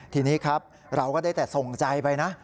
ทีนี้ครับเราก็ได้แต่ส่งใจไปนะ